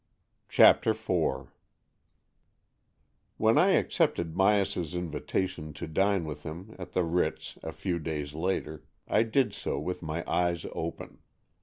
CHAPTER IV When I accepted Myas's invitation to dine with him at the Ritz a few days later, I did so with my eyes open.